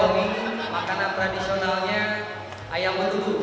makanan tradisionalnya ayam